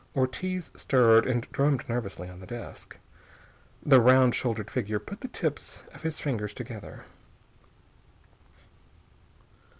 Ortiz stirred and drummed nervously on the desk. The round shouldered figure put the tips of its fingers together.